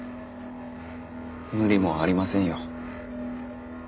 無理もありませんよ。